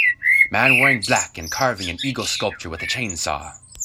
Man wearing black and carving an eagle sculpture with a chainsaw.